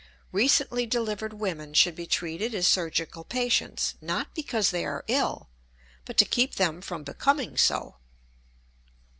Recently delivered women should be treated as surgical patients, not because they are ill, but to keep them from becoming so.